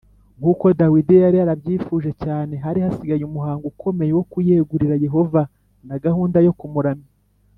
nk’uko dawidi yari yarabyifuje cyane, hari hasigaye umuhango ukomeye wo kuyegurira yehova na gahunda yo kumuramya.